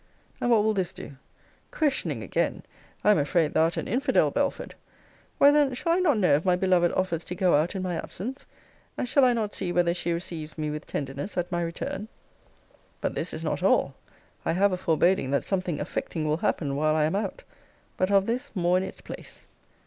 And what will this do? Questioning again! I am afraid thou'rt an infidel, Belford Why then shall I not know if my beloved offers to go out in my absence? And shall I not see whether she receives me with tenderness at my return? But this is not all: I have a foreboding that something affecting will happen while I am out. But of this more in its place.